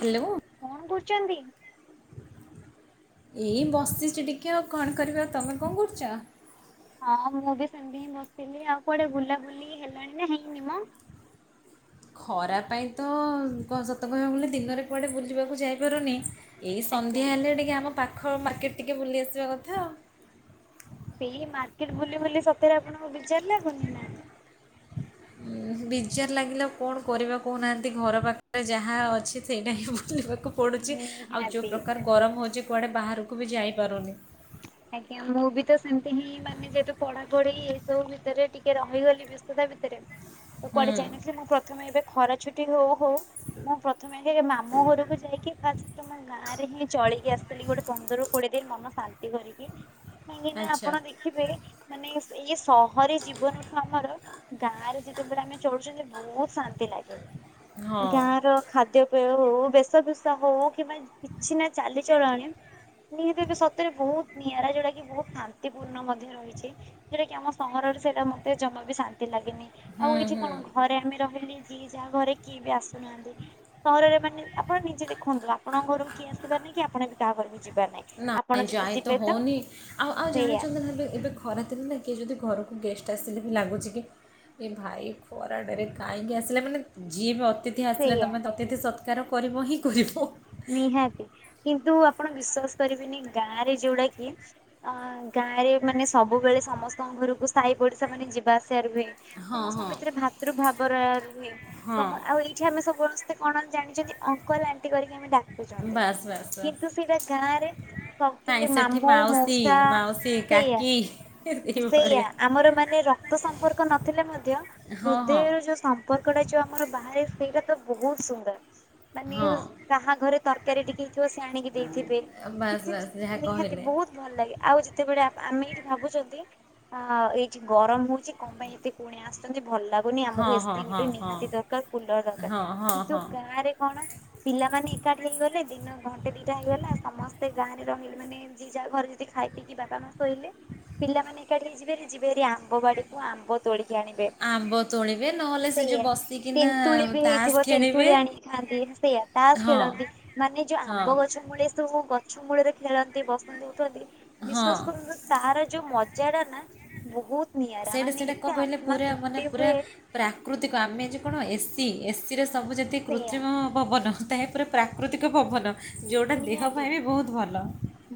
Hello. କଣ କରୁଚନ୍ତି? ଏଇ ବସିଛି ଟିକେ ଆଉ କଣ କରିବା ତମେ କଣ କରୁଚ? ହଁ ମୁଁ ବି ସେମିତି ହିଁ ବସିଥିଲି ଆଉ କୁଆଡେ ବୁଲା ବୁଲି ହେଲାଣି ନା ହେଇନି ମଁ। ଖରା ପାଇଁ ତ କ ସତ କହିବାକୁ ଗଲେ ଦିନରେ କୁଆଡ଼େ ବୁଲିବାକୁ ଯାଇପାରୁନି। ଏଇ ଆଜ୍ଞା ସନ୍ଧ୍ୟା ହେଲେ ଟିକେ ଆମ ପାଖ ମାର୍କେଟ ଟିକେ ବୁଲି ଆସିବା କଥା ଆଉ। ଡେଲି ମାର୍କେଟ ବୁଲି ବୁଲି ସତରେ ଆପଣଙ୍କୁ ବିଯାର ଲାଗୁନି ନା। ବିଜାର ଲାଗିଲେ ଆଉ କଣ କରିବା କହୁନାହାନ୍ତି ଘର ପାଖରେ ଯାହା ଅଛି ସେଇଟା ହିଁ ବୁଲିବାକୁ ପୋଡ଼ୁଚି ଆଉ ଯୋଉ ନିହାତି। ପ୍ରକାର ଗରମ ହୋଉଚି କୁଆଡ଼େ ବାହାରକୁ ବି ଯାଇପାରୁନି। ଆଜ୍ଞା ମୁଁ ବି ତ ସେମିତି ହିଁ ମାନେ ଯେହେତୁ ପଢା ପଢି ଏ ସବୁ ଭିତରେ ଟିକେ ରହିଗଲି ବ୍ୟସ୍ତତା ଭିତରେ ତ ହୁଁ କୁଆଡେ ଯାଇନଥିଲି ମୁଁ ପ୍ରଥମେ ଏବେ ଖରା ଛୁଟି ହୋଉ ହୋଉ ମୁଁ ପ୍ରଥମେ ହେ ମାମୁଁ ଘରକୁ ଯାଇକି ଫାଷ୍ଟ ମୋ ଗାଁ ରେ ହିଁ ଚଳିକି ଆସିଥିଲି ଗୋଟେ ପନ୍ଦରରୁ କୋଡିଏ ଦିନି ମନ ଶାନ୍ତି କରିକି କାହିଁକିନା ଆଚ୍ଛା ଆପଣ [unintelligible] ଦେଖିବେ ମାନେ [unintelligible] ଇଏ ସହରୀ ଜୀବନଠୁ ଆମର ଗାଁ ରେ ଯେତେବେଳେ ଆମେ ଚଳୁଚନ୍ତି ବୋହୁତ ଶାନ୍ତି ଲାଗେ ହଁ ଗାଁ ର ଖାଦ୍ୟପେୟ ହୋଉ ବେଶଭୂଷ ହୋଉ କିମ୍ବା କିଛି ନା ଚାଲିଚଲଣି [unintelligible] ସତରେ ବୋହୁତ ନିଆରା ଯୋଉଟା କି ବୋହୁତ ଶାନ୍ତିପୂର୍ଣ୍ଣ ମଧ୍ୟ ରହିଚି। ଯୋଉଟା କି ଆମ ସହରରେ ସେଇଟା ମତେ ଜମା ବି ଶାନ୍ତି ଲାଗେନି ଆଉ ହୁଁ ହେଇଚି ହୁଁ କଣ ଘରେ ଆମେ ରହିଲି। ଯିଏ ଯା ଘରେ କିଏ ବି ଆସୁନାହାନ୍ତି। ସହରରେ ମାନେ ଆପଣ ନିଜେ ଦେଖନ୍ତୁ ଆପଣଙ୍କ ଘରକୁ କିଏ ଆସିବାର ନାହିଁ କି ଆପଣ ବି କାହା ଘରକୁ ଯିବାର ନାହିଁ। ଆପଣ କାଇଁ ଯଦି ଯାଇ ତ ଯିବେ ହୋଉନି ଆଉ ଆଉ ସେଇଆ ଜାଣିଚନ୍ତି ନା ଏବେ ଏବେ ଖରା ଦିନରେ କିଏ ଯଦି ଘରକୁ ଗେଷ୍ଟ ଆସିଲେ ବି ଲାଗୁଚି କି ଏ ଭାଇ ଖରାଟାରେ କାଇଁକି ଆସିଲେ ମାନେ ଯିଏ ବି ଅତିଥି ଆସିଲେ ସେଇଆ ତମେ ତ ଅତିଥି ସତ୍କାର କରିବ ହିଁ କରିବ। ନିହାତି କିନ୍ତୁ ଆପଣ ବିଶ୍ଵାସ କରିବେନି ଗାଁରେ ଯୋଉଡା କି ଅ ଗାଁରେ ମାନେ ସବୁବେଳେ ସମସ୍ତଙ୍କ ଘରକୁ ସାଇ ପଡିଶା ମାନେ ଯିବା ଆସିବାର ରୁହେ। ହଁ ସମସ୍ତଙ୍କ ହଁ। ଭିତରେ ଭାତୃଭାବ ର ରୁହେ ହଁ ସମ ଆଉ ଏଇ ଏଠି ଆମେ ସମସ୍ତେ କଣ ଜାଣିଚନ୍ତି ଅଙ୍କଲ ଆଣ୍ଟି କରିକି ଆମେ ଡ଼ାକୁ [unintelligible] ବାସ୍ ବାସ୍ ବାସ୍ କିନ୍ତୁ ସେଇଟା ଗାଁ ରେ ନାଇଁ [unintelligible] ସେଠି ମାମୁଁ ମାଉସୀ ମଉସା ମାଉସୀ ସେଇୟା କାକି ସେଇୟା ଏଇଭଳିଆ ଆମର ମାନେ ର ତ ସମ୍ପର୍କ ନଥିଲେ ମଧ୍ୟ ହଁ ହଁ ହୃଦୟର ଯୋଉ ସମ୍ପ [unintelligible] ଯୋଉ ଆମର ବାହାରେ ସେଇଟା ତ ବୋ ହୁତ ସୁନ୍ଦର ମାନେ ହଁ କାହା ଘରେ ତରକାରୀ ଟିକେ ହେଇଥିବ ସେ ଆଣିକି ଦେଇଥିବେ ବାସ୍ କିଛି ବାସ୍ ଯାହା ନିହାତି କହିଲେ ବୋହୁତ ଭଲ ଲାଗେ ଆଉ ଯେତେବେଳେ ଆମେ ଏଠି ଭାବୁଚ ନ୍ତି ଅ ଏଇ ଗରମ ହୋଉଚି କଣ ପାଇଁ ଏତେ କୁଣିଆ ଆସ [unintelligible] ଭଲ ଲାଗୁନି ହଁ ଆମକୁ ଏ ହଁ ସି ହଁ ଗୋଟେ ହଁ ନିହାତି ଦରକାର କୁଲର ହଁ ଦରକାର ହଁ କିନ୍ତୁ ହଁ। ଗାଁ ରେ କଣ। ପିଲାମାନେ ଏକାଠି ହେଇଗଲେ ଦିନ ଘଣ୍ଟେ ଦିଟା ହେଇଗଲା ସମସ୍ତେ ଗାଁରେ ରହିଲେ ମାନେ ଜି ଯାହା ଘରେ ଯଦି ଖାଇ ପିକି ବାପା ମା ଶୋଇଲେ ପିଲାମାନେେ ଏକାଠି ହେଇ ଯିବେ। ଯିବେହାରି ଆମ୍ବ ବାଡିକୁ ଆମ୍ବ ତୋଳିକି ଆଣିବେ ଆମ୍ବ ତୋଳିବେ ନହେଲେ ସେ ଯେଉଁ ସେଇଆ। ବସିକିନା ତେନ୍ତୁଳି ବି ତାସ୍ ହେଇଥିବ ଖେଳିବେ ତେନ୍ତୁଳି ଆଣିକି ଖାଆନ୍ତି ସେଇଆ। ତାସ ହଁ ଖେଳନ୍ତି ମାନେ ଯୋଉ ହଁ ଆମ୍ବ ଗଛ ମୂଳେ ଏ ସବୁ ଗଛ ମୂଳରେ ଖେଳନ୍ତି ବସନ୍ତି ଉଠନ୍ତି ହଁ ବିଶ୍ୱାସ କରନ୍ତୁ ତାର ଯୋଉ ମଜା ଟା ନା ବୋହୁତ ନିଆରା ସେଇଟା ମାନେ ସେଇଟା କ'ଣ ଏତେ କହିଲେ ଆତ୍ମା ପୁରା ମାନେ ତୃପ୍ତି ପୁରା ହୁଏ। ପ୍ରାକୃତିକ ଆମେ ଯେ କଣ ଏସି ଏସିରେ ସବୁ ଯେତିକି ସେଇଆ କୃତ୍ରିମ ପବନ ତାପରେ ପ୍ରାକୃତିକ ପବନ ଯୋଉଟା ଦେହ ପାଇଁ ବି ବୋହୁତ ଭଲ।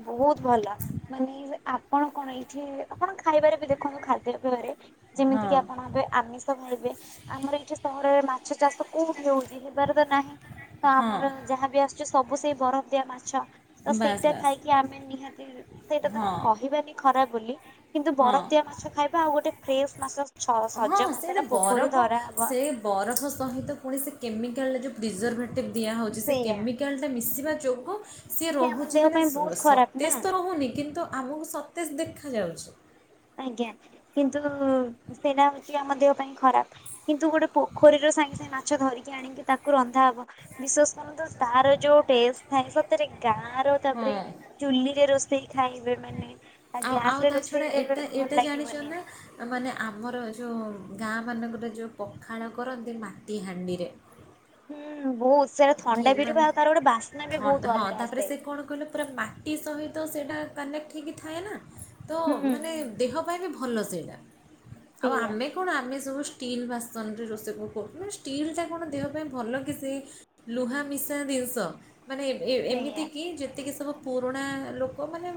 ବୋହୁତ ଭଲ ମାନେ ଆପଣ କଣ ଏଇଠୀ ଆପଣ ଖାଇବାରେ ବି ଦେଖନ୍ତୁ ଖାଦ୍ୟପେୟରେ ଯେମିତି ହଁ କିି ଆପଣ ଏବେ ଆମିଷ ଖାଇବେ। ଆମର ଏଇଠି ସହରରେ ମାଛ ଚାଷ କୋଉଠି ହୋ ଉଚି ହେବାର ତ ନାହିଁ। ତ ହଁ ଆମର ଯାହାବି ଆସୁଚି ସବୁ ସେଇ ବରଫ। ଦିଆ ମାଛ ତ ବାସ୍ ସେଇଟା ବାସ୍ ଖାଇକି ଆମେ ନିହାତି ସେଇଟା ତ ହଁ କହିବାନି ଖରାପ ବୋଲି। କିନ୍ତୁ ହଁ ବରଫ ଦିଆ ମାଛ ଖାଇବା ଆଉ ଗୋଟେ ଫ୍ରେଶ ମାଛ ହଁ ସଜ ସେଇଟା ମାସଟା ପୋଖରିରୁ ବରଫ ଧରାହବା। ସେ ବରଫ ସହିତ ପୁଣିସେ କେମିକାଲରେ ଯୋଉ ପ୍ରିଜର୍ଭେଟିଭ୍ ଦିଆହୋଉଚି ସେ କେମିକାଲ ସେଇଆ କେମିକାଲ ଟା ମିଶିବା ଯୋଗୁଁ ସିଏ ସେ ଆମ ରୋହୁଚି ଦେହ ମାନେ ପାଇଁ ବହୁତ ଖରାପ ସତେଜ ନା। ତ ରୋହୁନି କିନ୍ତୁ ଆମକୁ ସତେଜ ଦେଖାଯାଉଛି। ଆଜ୍ଞା କିନ୍ତୁ ସେଇଟା ହଉଛି ଆମ ଦେହ ପାଇଁ ଖରାପ। କିନ୍ତୁ ଗୋଟେ ପୋଖରୀର ସାଙ୍ଗେ ସାଙ୍ଗେ ମାଛ ଧରିକି ଆଣିକି ତାକୁ ରନ୍ଧା ହବ। ବିଶ୍ଵାସ କରନ୍ତୁ ତାର ଯୋଉ ଟେଷ୍ଟ ଥାଏ ସତରେ ଗାଁ ର ହଁ ତାପରେ। ଚୁଲିରେ ରୋଷେଇ ଖାଇବେ ମାନେ। ଆଉ ଗ୍ୟାସ ଆଉ ରେ ତା ଛଡ଼ା ରୋଷେଇରେ ଏଟା ଭଲ ଏଇଟା ଜାଣିଛ ଲାଗିବନି। ନା। ମାନେ ଆମର ଯୋଉ ଗାଁ ମାନଙ୍କର ଯୋଉ ପଖାଳ କରନ୍ତି ମାଟି ହାଣ୍ଡିରେ। ହୁଁ, ବହୁତ ସାରା କି ଥଣ୍ଡା ବି ରିବ ମାନେ ଆଉ ତାର ଗୋଟେ ବାସ୍ନା ବି ଥଣ୍ଡା ବହୁତ ହଁ ଅଲଗା ତାପରେ ଆସେ। ସେ କ'ଣ କହିଲେ ପୁରା ମାଟି ସହିତ ସେଇଟା କନେକ୍ଟ ହେଇକି ଥାଏ ନା ତ ହୁଁ ହୁଁ ମାନେ ଦେହ ପାଇଁ ବି ଭଲ ସେଇିଟା। ଆଉ ସେଇଆ ଆମେ କଣ ଆମେ ସବୁ ଷ୍ଟିଲ୍ ବାସନରେ ରୋଷେଇ କ କରୁୁ? ମାନେ ଷ୍ଟିଲ୍ଟା କଣ ଦେହ ପାଇଁ ଭଲ କି ସେ ଲୁହା ମିଶା ଜିନିଷ? ମାନେ ସେଇଆ ଏମିତି କି ଯେତିକି ସବୁ ପୁରୁଣା ଲୋକ ମାନେ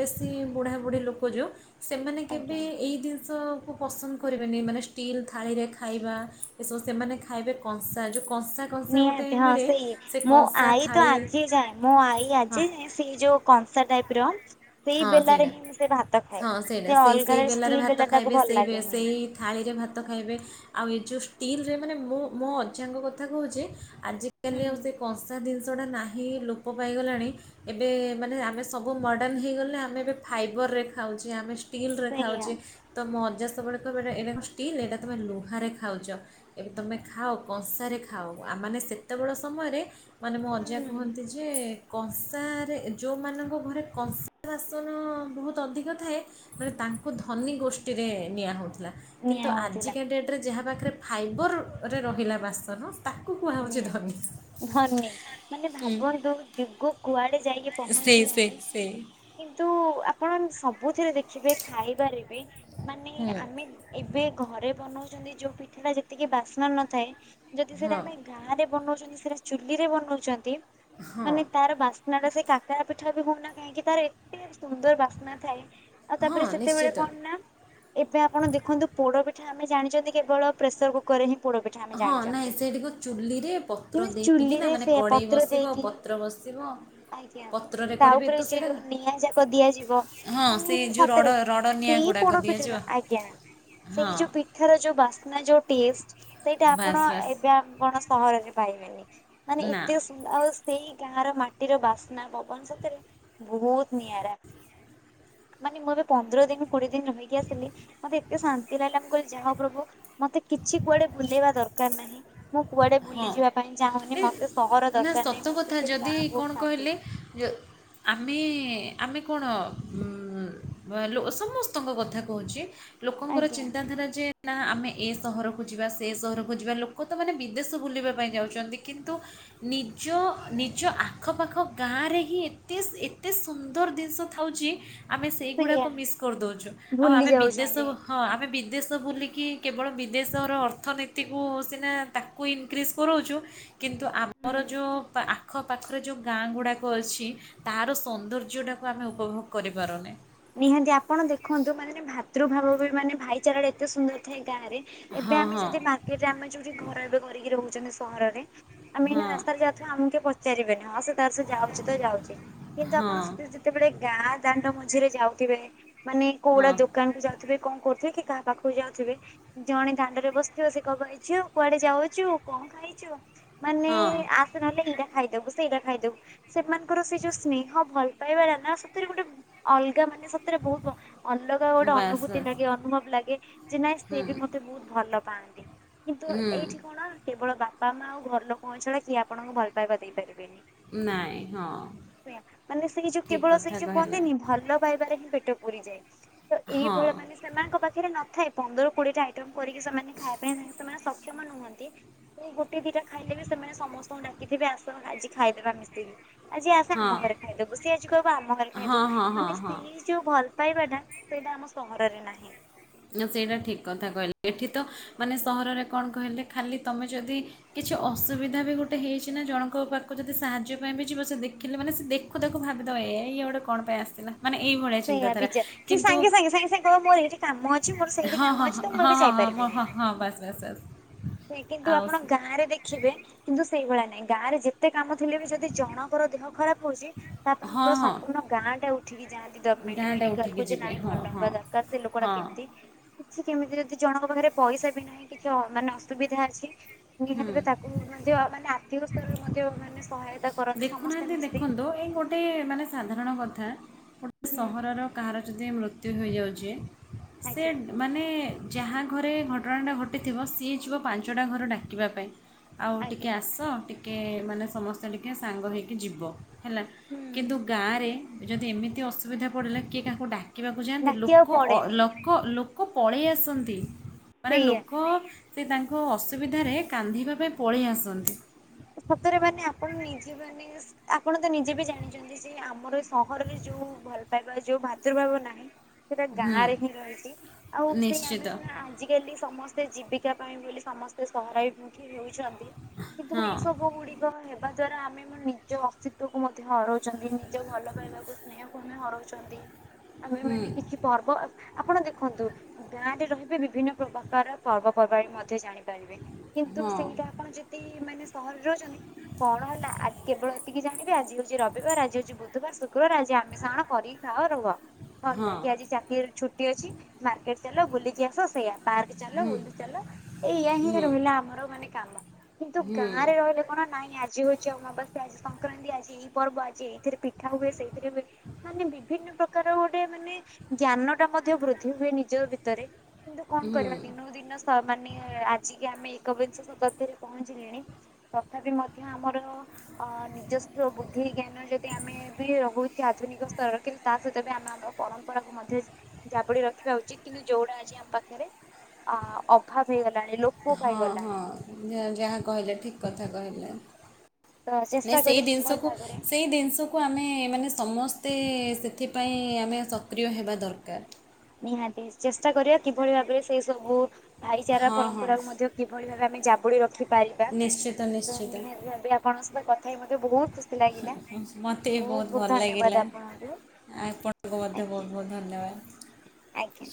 ବେଶୀ ବୁଢ଼ାବୁଢ଼ୀ ଲୋକ ଯୋଉ ସେମାନେ କେବେ ଆଜ୍ଞା। ଏଇ ଜିନିଷକୁ ପସନ୍ଦ କରିବେନି ମାନେ ଷ୍ଟିଲ୍ ଥାଳିରେ ଖାଇବା ଏସବୁ, ସେମାନେ ଖାଇବେ କଂସା ଯେଉଁ କଂସା କଂସା ନିହାତି ହଁ, ମିଳେ ସେଇ ସେ ମୋ କଂସା ଆଈ ତ ଥାଳି ଆଜି ଯାଏଁ ମୋ ଆଈ ହଁ ଆଜି ଯାଏ ସେଇ ଯୋଉ କଂସା ଟାଇପ୍ ର ସେଇ ହଁ ବେଲାରେ ସେଇଟା ହିଁ ସେ ଭାତ ଖାଏ। ହଁ ସେଇଟା ସେ ସେଇ ଅଲଗା ଷ୍ଟିଲ୍ ବେଲା ତାକୁ ଭଲ ଲାଗେନି। ଏ ଥାଳିରେ ଭାତ ଖାଇବେ, ଆଉ ଏ ଯେଉଁ ଷ୍ଟିଲରେ ମାନେ ମୁଁ ମୋ ଅଜାଙ୍କ କଥା କହୁଚି ଆଜିକାଲି ଆଉ ସେ କଂସା ଜିନିଷଟା ନାହିଁ ଲୋପ ପାଇଗଲାଣି। ଏବେ ମାନେ ଆମେ ସବୁ ମଡ଼ର୍ଣ୍ଣ ହେଇଗଲେ ଆମେ ଏବେ ଫାଇବରରେ ଖାଉଚେ ଆମେ ଷ୍ଟିଲ୍ ରେ ସେଇଆ ଖାଉଚେ। ତ ମୋ ଅଜା ସବୁବେଳେ କହିବେ ଏଇଟା କଣ ଷ୍ଟିଲ୍ ଏଇଟା ତମେ ଲୁହାରେ ଖାଉଚ। ଏବେ ତମେ ଖାଅ କଂସାରେ ଖାଅ, ଆ ମାନେ ସେ ସେତେବେଳ ସମୟରେ ମାନେ ମୋ ଅଜା କୁହନ୍ତି ଯେ କଂସାରେ ଯୋଉମାନଙ୍କ ଘରେ କଂସା ବାସନ ବହୁତ୍ ଅଧିକ ଥାଏ ମାନେ ତାଙ୍କୁ ଧନୀ ଗୋଷ୍ଠୀରେ ନିଆ ହଉଥିଲା। ନିଆଁ କିନ୍ତୁ ହଉଥିଲା ଆଜିକା ଡେଟ୍ ରେ ଯାହା ପାଖେରେ ଫାଇବରରେ ରହିଲା ବାସନ ତାକୁ କୁହାହଉଛି ଧନୀ। ଧନୀ ମାନେ ହୁଁ ଭାବନ୍ତୁ ଯୁଗ କୁଆଡେ ଯାଇକି ପହଞ୍ଚି ସେଇ-ସେଇ-ସେ। କିନ୍ତୁ ଆପଣ ସବୁଥିରେ ଦେଖିବେ ଖାଇବାରେ ବି ମାନେ ହୁଁ ଆମେ ଏବେ ଘରେ ବନଉଛନ୍ତି ଯୋଉ ପିଠା ଟା ଯେତିକି ବାସ୍ନା ନଥାଏ ଯଦି ସେଟା ହଁ ଆମେ ଗାଁ ରେ ବନଉଛନ୍ତି। ସେଟା ଚୁଲି ରେ ବନାଉଛନ୍ତି ହଁ ମାନେ ତାର ବାସ୍ ନାଟା ସେ କାକାର ପିଠା ବି ହଉନା କାହିଁକି ତାର ଏ ତେ ସୁନ୍ଦର ବାସ୍ନା ଥାଏ, ଆଉ ହଁ ତାପରେ ସେତେବେଳେ ନିଶ୍ଚିତ କଣ ନା ଏବେ ଆପଣ ଦେଖନ୍ତୁ ପୋଡପିଠା ଆମେ ଜାଣିଛନ୍ତି କେବଳ ପ୍ରେସର କୁ କରରେ ହଁ ପୋଡପିଠା। ଆମେ ହଁ, ନାଇଁ ଜାଣିଛନ୍ତି। ସେଟାକୁ ଚୁଲିରେ ପତ୍ର କିନ୍ତୁ ଦେଇକିନା ଚୁଲିରେ ମାନେ, ସେ କଡ଼େଇ ପତ୍ର ବସିବ, ଦେଇକି ପତ୍ର ବସିବ ଆଜ୍ଞା ପତ୍ରରେ ତା କରିବେ ଉପରେ ତ ସେଇଟା ଯୋଉ ନିଆଁ ଯାକ ଦିଆଯିବ, ହଁ ସେ ମାନେ ଯେଉଁ ସତରେ ରଡ଼ ରଡ଼ ନିଆଁ ସେଇ ଗୁଡ଼ାକ ପୋଡ ଦିଆଯିବ ପିଠାଟା ଆଜ୍ଞା ହଁ ସେଇ ଯୋଉ ପି ପିଠାର ଯୋଉ ବାସ୍ନା ଯୋଉ ଟଷ୍ଟ ସେଇଟା ଆପଣ ବାସ୍ ବାସ୍ ଏବେ ଆପଣ ସହରରେ ପାଇବେନି। ମାନେ ନା ଏତେ ଆଉ ସେଇ ଗାଁ ର ମାଟିର ବାସ୍ନା ପବନ୍ ସତରେ ବହୁତ୍ ନିଆରା। ମାନେ ମୁଁ ଏବେ ପନ୍ଦର ଦିନ କୋଡିଏ ଦିନ ରହିକି ଆସିଲି। ମତେ ଏତେ ଶାନ୍ତି ଲାଗିଲା ମୁ କହିଲି ଯାହାଉ ପ୍ରଭୁ ମତେ କିଛି କୁଆଡେ ବୁଲେଇବା ଦରକାର ନାହିଁ। ମୁଁ କୁଆଡେ ହଁ ବୁଲିଯିବା ପାଇଁ ଚାହୁଁନି ଏ ମତେ ସହର ନା ଦରକାର ନାହିଁ ସତ କଥା ମତେ ସେଇ ଯଦି ଗାଁ ବହୁତ କଣ ଶାନ୍ତି କହିଲେ ଯେ ଆମେ ଆମେ କଣ ଲୋ ସମସ୍ତଙ୍କ କଥା କହୁଚି ଲୋକଙ୍କର ଆଜ୍ଞା। ଚିନ୍ତାଧାରା ଯେ ନା ଆମେ ଏ ସହରକୁ ଯିବା ସେ ସହରକୁ ଯିବା ଲୋକ ତ ମାନେ ବି ଦେଶ ବୁଲିବା ପାଇଁ ଯାଉଚନ୍ତି କିନ୍ତୁ ନିଜ ନିଜ ଆଖପାଖ ଗାଁରେ ହିଁ ଏତେ ଏତେ ସୁନ୍ଦର ଜିନିଷ ଥାଉଚି ଆମେ ସେଇଆ ସେଇଗୁଡ଼ାକ ମିସ୍ କରିଦଉଚୁ ଆଉ ଭୁଲି ଆମେ ବିଦେଶ ଯାଉଛନ୍ତି। ହଁ ଆମେ ବିଦେଶ ବୁଲିକି କେବଳ ବିଦେଶର ଅର୍ଥନୀତିକୁ ସିନା ତା କୁ ଇନକ୍ରିଜ୍ କରଉଚୁ କିନ୍ତୁ ଆମର ହୁଁ। ଯୋଉ ପା ଆଖପାଖରେ ଯେଉଁ ଗାଁ ଗୁଡ଼ାକ ଅଛି ତାର ସୌନ୍ଦର୍ଯ୍ୟଟାକୁ ଆମେ ଉପଭୋଗ କରିପାରୁନେ। ନିହାତି ଆପଣ ଦେଖନ୍ତୁ ମାନେ ଭାତୃଭାବ ବି ମାନେ ଭାଇଚାରାଟା ଏତେ ସୁନ୍ଦର ଥାଏ ଗାଁରେ ଏବେ ହଁ ଆମେ ହଁ ଯଦି ମାର୍କେଟରେ ଆମେ ଯୋଉଠି ଘର ଏବେ କରିକି ରହୁଚନ୍ତି ସହରରେ, ଆମେ ଏଇନା ହଁ ରାସ୍ତାରେ ଯାଉ ଆମକୁ କିଏ ପଚାରିବେନି ହଁ ସେ ତାର ସେ ଯାଉଚି ତ ଯାଉଚି କିନ୍ତୁ ହଁ ଆପଣ ସେ ଯେତେବେଳେ ଗାଁ ଦାଣ୍ଡ ମଝିରେ ଯାଉଥିବେ ମାନେ କୋଉଡା ହଁ ଦୋକାନକୁୁ ଯାଉ ଥିବେ କଣ କରୁଥିବେ କି କାହା ପାଖକୁ ଯାଉଥିବେ। ଜଣେ ଦାଣ୍ଡରେ ବସିଥିବ ସେ କହିବ ଏ ଝିଅ କୁଆଡେ ଯାଉଚୁ କଣ ଖାଇଚୁ। ହଁ। ନହେଲେ ଏଇଟା ଖାଇଦବୁ ସେଇଟା ଖାଇଦବୁ। ସେମାନଙ୍କର ସେ ଯୋଉ ସ୍ନେହ ଭଲ ପାଇବାର ନା ସେଥିରେ ଗୋଟେ ଅଲଗା ମାନେ ସତରେ ବହୁତ୍ ଅଲଗା ଗୋଟେ ବାସ୍ ଅନୁଭୂତି ବାସ୍ ଲାଗେ ଅନୁଭବ ଲାଗେ ଯେ ନାଇଁ ହୁଁ ସେ ବି ମତେ ବହୁତ୍ ଭଲ ପାଆନ୍ତି। କିନ୍ତୁ ହୁଁ ଏଇଠି କଣ କେବଳ ବାପା ମା ଆଉ ଘର ଲୋକଙ୍କ ଛଡା କିଏ ଆପଣଙ୍କୁ ଭଲ ପାଇବା ଦେଇପାରିବେନି। ନାଇଁ ହଁ ସେୟା ମାନେ ସେଇ ଯୋଉ ଠିକ୍ କେବଳ ସେଇ କଥା ଯୋଉ କହିଲେ। କୁହନ୍ତିନି ଭଲ ପାଇବାରେ ହିଁ ପେଟ ପୁରିଯାଏ ତ ହଁ ଏଇଭଳିଆ ମାନେ ସେମାନଙ୍କ ପାଖରେ ନଥାଏ ପନ୍ଦର କୋଡିଏ ଟା ଆଇଟମ କରିକି ସେମାନେ ଖାଇବା ପାଇଁ ସେମାନେ ସକ୍ଷମ ନୁହନ୍ତି। ସେଇ ଗୋଟେ ଦିଇଟା ଖାଇଲେ ବି ସେମାନେ ସମସ୍ତଙ୍କୁ ଡାକିଥିବେ ଆସ ଆଜି ଖାଇଦେବା ମିଶିକି। ଆଜି ଆସେ ଆମ ହଁ ଘରେ ଖାଇଦବୁ ସେଏ ଆଜି କହିବ ଆମ ଘରେ ହଁ ଖାଇଦବୁ। ହଁ ହଁ ହଁ। ଏଇ ଯୋଉ ଭଲ ପାଇବାଟା ସେଇଟା ଆମ ସହରରେ ନାହିଁ। ସେଇଟା ଠିକ କଥା କହିଲ ଏଠିତମାନେ ସହରରେ କଣ କହିଲେ ଖାଲି ତୁମେ ଯଦି କିଛି ଅସୁବିଧା ବି ଗୋଟେ ହେଇଛି ନା ଜଣଙ୍କ ପାଖକୁ ଯଦି ସାହାଯ୍ୟ ପାଇଁ ବି ଯିବ ସେ ଦେଖିଲେ ମାନେ ସେ ଦେଖୁ ଦେଖୁ ଭାବିଦବ ଏଇଏ ଗୋଟେ କଣ ପାଇଁ ଆସିଥିଲା ମାନେ ଏଇ ଭାଳିଆ ଚିନ୍ତା ଧାରା କିନ୍ତୁ ହଁ ମୋର ଏଇଠି କାମ ଅଛି ମୋର ସେଇଠି ହଁ ହଁ କାମ ହଁ ଅଛି ତ ମୁଁ ହଁ ଏବେ ହଁ ହଁ ମୋ ହଁ ଯାଇପାରିବିନି। ହଁ ବାସ୍ ବାସ୍ ବାସ୍। କିନ୍ତୁ ଆଉ ଆପଣ ସେ- ଗାଁ ରେ ଦେଖିବେ କିନ୍ତୁ ସେଇଭଳିଆ ନାଇଁ ଗାଁ ରେ ଯେ ଏତେ କାମ ଥିଲେ ବି ଯଦି ଜଣଙ୍କର ଦେହ ଖରାପ ହଉଛି ତା ପାଇଁ ହଁ ପୁରା ହଁ ସମ୍ପୂର୍ଣ୍ଣ ଗାଁ ଟା ଉଠି ଯାଆନ୍ତି ଗ୍ରୋଭମେଣ୍ଟ ଗାଁଟା ମେଡିକାଲ ଉଠିକି କୁ ଯେ ଯିବେ ନାଇଁ ହଁ ଭଲ ହଁ ହବା ଦରକାର ସେ ଲୋକଟା ହଁ କେମିତି ସେ କେମିତି ଯଦି ଜଣଙ୍କ ପାଖରେ ପଇସା ବି ନାହିଁ କିଛି ମାନେ ଅସୁବିଧା ଅଛି ହୁଁ ନିହାତି ତାକୁ ମଧ୍ୟୟ ମାନେ ଆର୍ଥିକ ସ୍ତରରେ ମଧ୍ୟୟ ମାନେ ସହାୟତା କରନ୍ତି ସମସ୍ତେ ଦେଖୁନାହାନ୍ତି ମିଶି। ଦେଖନ୍ତୁ ଏଇ ଗୋଟେ ମାନେ ସାଧାରଣ କଥା ଗୋଟେ ହୁଁ ସହରର କାହାର ଯଦି ମୃତ୍ୟୁ ହୋଇଯାଉଛି ସେ ଆଜ୍ଞା ମାନେ ଯାହା ଘରେ ଘଟଣାଟା ଘଟିଥିବ ସିଏ ଯିବ ପାଞ୍ଚଟା ଘର ଡାକିବା ପାଇଁ। ଆଉ ଟିକେ ଆଜ୍ଞା ଆସ ଟିକେ ମାନେ ସମସ୍ତେ ଟିକେ ସାଙ୍ଗ ହେଇକି ଯିବ ହେଲା ହୁଁ। କିନ୍ତୁ ଗାଁରେ ଯଦି ଏମିତି ଅସୁବିଧା ପଡ଼ିଲା କିଏ କାହାକୁ ଡାକିବାକୁ ଯାଆନ୍ତି ଲୋକ ଡାକିବାକୁ ପଡେନି ଲୋକ ପଳେଇ ଆସନ୍ତି ମାନେ ସେଇଆ। ଲୋକ ସେ ତାଙ୍କ ଅସୁବିଧାରେ କାନ୍ନ୍ଦିବା ପାଇଁ ପଳେଇ ଆସନ୍ତି। ସତରେ ମାନେ ଆପଣ ନିଜେ ମାନେ ଆପଣ ତ ନିଜେ ବି ଜାଣିଛନ୍ତି। ଯେ ଆମର ଏଇ ସହରରେ ଯୋଉ ଭଲ ପାଇବା ଏଇ ଯୋଉ ଭାତୃଭାବ ନାହିଁ। ସେଇଟା ହୁଁ ଗାଁ ରେ ହିଁ ରହିଛି ଆଉ ସେଇ ଆମେ ନିଶ୍ଚିତ ସିନା ଆଜିକାଲି ସମସ୍ତେ ଜୀବିକା ପାଇଁ ବୋଲି ସମସ୍ତେ ସହରାଭିମୁଖୀ ହେଉଛନ୍ତି। କିନ୍ତୁ ଏଇ ହଁ ସବୁ ଗୁଡିକ ହେବା ଦ୍ଵାରା ଆମେ ଆମ ନିଜ ଅସ୍ତିତ୍ଵ କୁ ମଧ୍ୟ ହରଉଚ ଚନ୍ତି ନିଜ ଭଲ ପାଇବାକୁ ସ୍ନେହକୁ ଆମେ ହରଉଚନ୍ତି ଆମେ ମାନ କିଛି ପର୍ବ ଆପଣ ଦେଖନ୍ତୁ ଗାଁ ରେ ରହିବେ ବିଭିନ୍ନ ପ୍ରକାର ପର୍ବପର୍ବାଣି ମଧ୍ୟ ଜାଣିପାରିବେ। କିନ୍ତୁ ହଁ ସେଇଟା ଆପଣ ଯଦି ମାନେ ସହରରେ ରହୁଚନ୍ତି କଣ ହେଲା ଆଜି କେବଳ ଏତିକି ଜାଣିବେ ଆଜି ହୋଉଚି ରବିବାର ଆଜି ହୋଉଚି ବୁଧବାର ଶୁକ୍ରବାର ଆଜି ଆମିଷ ଆଣ କରିକି ଖାଅ ରୁହ। ଭଲ ହଁ ଲାଗେ ଆଜି ଚାକିରି ଛୁଟି ଅଛି ମାର୍କେଟ ଚାଲ ବୁଲିକି ଆସ ସେଇୟା। ପାର୍କ ଚାଲ ବୁଲି ଚାଲ ଏଇୟା ହିଁ ହୁଁ ରହିଲା ଆମର ମାନେ କାମ କିନ୍ତୁ ହୁଁ ଗାଁ ରେ ରହିଲେ କଣ ନାଇଁ ଆଜି ହୋଉଛି ଅମାବାସ୍ୟା ଆଜି ସଂକ୍ରାନ୍ତି ଆଛି ଏଇ ପର୍ବ ଆଜି ସେଥିରେ ପିଠା ହୁଏ ସେଇଥିରେ ହୁଏ ମାନେ ବିଭିନ୍ନ ପ୍ରକାର ପ୍ରକାର ଗୋଟେ ମାନେ ଜ୍ଞାନ ଟା ମଧ୍ୟ ବୃଦ୍ଧି ହୁଏ ନିଜ ଭିତରେ। କିନ୍ତୁ କଣ କରିବା ଦିନକୁ ଦିନ ମାନେ ଆଜିକି ଆମେ ଏକବିଂଶ ଶତାବ୍ଦୀରେ ପହଞ୍ଚିଲେଣି। ତଥାପି ମଧ୍ୟ ଆମର ଅ ନିଜସ୍ୱ ବୁଦ୍ଧି ଜ୍ଞାନ ଯଦି ଆମେ ବି ରହୁଛେ ଆଧୁନିକ ସ୍ତରରେ କିନ୍ତୁ ତା ସହିତ ବି ଆମେ ଆମ ପରମ୍ପରାକୁ ମଧ୍ୟ ଜାବୁଡି ରଖିବା ଉଚିତ୍ କିନ୍ତୁ ଯୋଉଡା ଆଜି ଆମ ପାଖରେ ଅ ଅଭାବ ହେଇଗଲାଣି ଲୋକ ହଁ ହଁ ଯାହା କହିଲେ ଠିକ୍ କଥା କହିଲେ। ତ ଚେଷ୍ଟା ସେଇ କରିବା କିଭଳି ଜିନିଷକୁ ଭାବରେ ସେଇ ଜିନିଷକୁ କୁ ଆମେ ମାନେ ସମସ୍ତେ ସେଥିପାଇଁ ଆମେ ସକ୍ରିୟ ହେବା ଦରକାର। ନିହାତି ଚେଷ୍ଟା କରିବା କିଭଳି ଭାବରେ ସେଇ ସବୁ ଭାଇଚାରା ହଁ ହଁ ପରମ୍ପରା କୁ ମଧ୍ୟ କିଭଳି ଭାବେ ଆମେ ଜାବୁଡି ରଖିପାରିବା। ନିଶ୍ଚିତ ତ ନିଶ୍ଚିତ ନିହାତି ଭାବେ ଆପଣଙ୍କ ସହିତ କଥା ହେଇ ମତେ ବହୁତ ଖୁସି ଲାଗିଲା ମୋତେ ବି ବହୁତ ବହୁତ ଭଲ ଲାଗିଲା ଧନ୍ୟବାଦ ଆପଣଙ୍କୁ। ଆପଣଙ୍କୁ ମଧ୍ୟ ଆଜ୍ଞା ବହୁତ ବହୁତ ଧନ୍ୟବାଦ। ଆଜ୍ଞା।